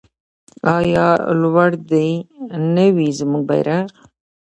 آیا لوړ دې نه وي زموږ بیرغ؟